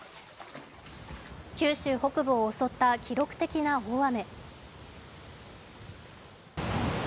九州北部を襲った記録的な大雨。